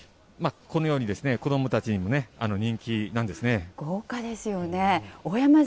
このように、子どもたちにも人気豪華ですよね。